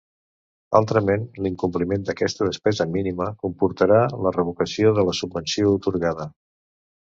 Altrament, l'incompliment d'aquesta despesa mínima, comportarà la revocació de la subvenció atorgada.